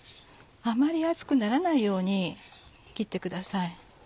あまり厚くならないように切ってください。